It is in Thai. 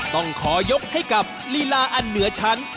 ต้องขอยกให้กับลีลาอันเหนือชั้น